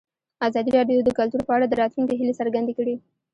ازادي راډیو د کلتور په اړه د راتلونکي هیلې څرګندې کړې.